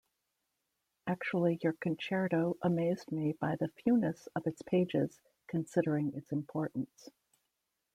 Actually, your concerto amazed me by the fewness of its pages, considering its importance...